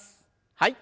はい。